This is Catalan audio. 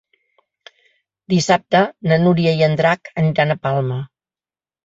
Dissabte na Núria i en Drac aniran a Palma.